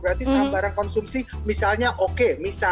berarti saham barang konsumsi misalnya oke